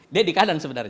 dia di kanan sebenarnya